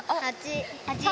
８。